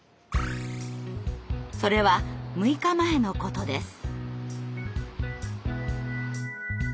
それは６日前のことです。